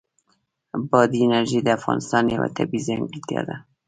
بادي انرژي د افغانستان یوه طبیعي ځانګړتیا ده.